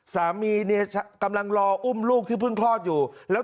สามีกำลังรออุ้มลูกที่เพิ่งคลอดอยู่